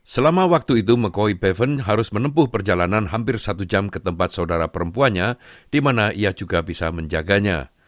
selama waktu itu mchoy paven harus menempuh perjalanan hampir satu jam ke tempat saudara perempuannya di mana ia juga bisa menjaganya